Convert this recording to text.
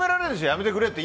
やめてくれって。